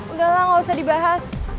udah lah gausah dibahas